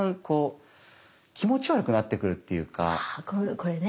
これね。